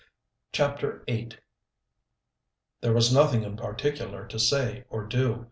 CHAPTER VIII There was nothing in particular to say or do.